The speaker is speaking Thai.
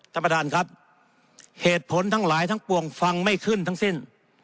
ท่านประธานครับเหตุผลทั้งหลายทั้งปวงฟังไม่ขึ้นทั้งสิ้น